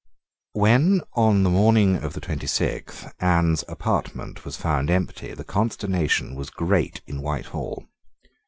When, on the morning of the twenty sixth, Anne's apartment was found empty, the consternation was great in Whitehall.